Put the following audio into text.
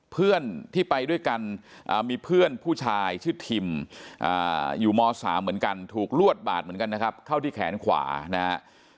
เพื่อนที่ไปด้วยกันมีเพื่อนผู้ชายชื่อทิมอยู่ม๓เหมือนกันถูกลวดบาดเหมือนกันนะครับเข้าที่แขนขวานะครับ